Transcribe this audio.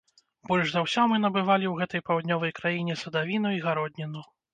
Больш за ўсё мы набывалі ў гэтай паўднёвай краіне садавіну і гародніну.